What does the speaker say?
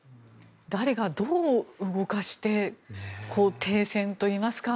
誰がどう動かして停戦といいますか。